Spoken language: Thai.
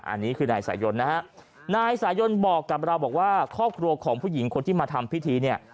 อันนี้คือนายสายยนนะฮะนายสายนบอกกับเราบอกว่าครอบครัวของผู้หญิงคนที่มาทำพิธีเนี่ย